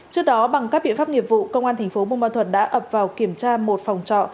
trước đó bằng các biện pháp nghiệp vụ công an thành phố buôn ma thuật đã ập vào kiểm tra một phòng trọ